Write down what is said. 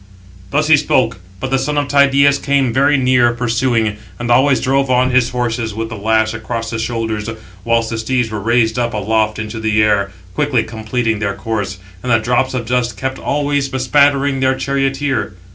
Thus he spoke; but the son of Tydeus came very near, pursuing, and always drove on [his horses] with the lash across the shoulders; whilst the steeds were raised up aloft into the air, quickly completing their course, and the drops of dust kept always bespattering their charioteer.